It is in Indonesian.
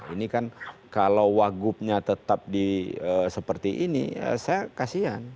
ini kan kalau wagubnya tetap seperti ini saya kasihan